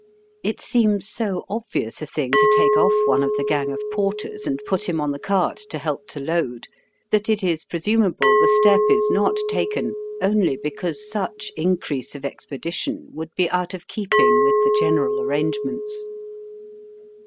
It seems so obvious a thing to take off one of the gang of porters and put him on the cart to help to load, that it is presumable the step is not taken only because such increase of expedition would be out of keeping with the general arrangements.